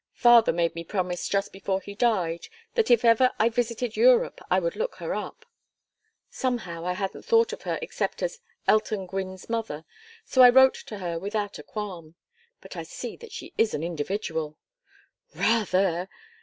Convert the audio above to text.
Father made me promise, just before he died, that if ever I visited Europe I would look her up. Somehow I hadn't thought of her except as Elton Gwynne's mother, so I wrote to her without a qualm. But I see that she is an individual." "Rather!